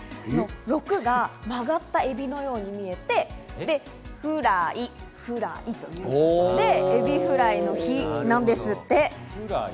「６」が曲がったエビのように見えて、フライということで、エビフライの日なんですって。